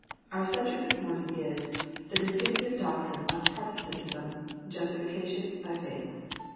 Our subject this morning is, The Distinctive Doctrine of Protestantism: Justification by Faith.